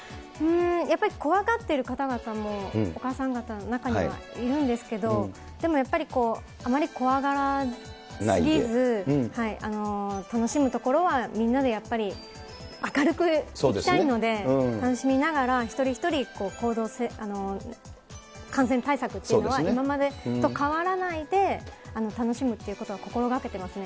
やっぱり怖がっている方々も、お母さん方も中にはいるんですけど、でもやっぱりあまり怖がりすぎず、楽しむところはみんなでやっぱり明るくいきたいので、楽しみながら一人一人行動、感染対策というのは、今までと変わらないで楽しむということを心がけてますね。